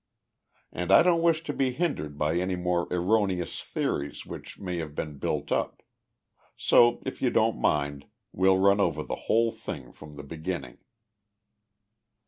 "And I don't wish to be hindered by any erroneous theories which may have been built up. So if you don't mind we'll run over the whole thing from the beginning."